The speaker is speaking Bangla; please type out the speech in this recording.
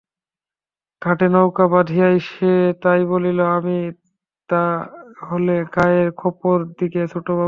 ঘাটে নৌকা বাধিয়াই সে তাই বলিল, আমি তা হলে গায়ে খপর দিগে ছোটবাবু?